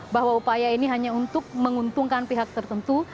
bahwa upaya ini hanya untuk menguntungkan pihak tertentu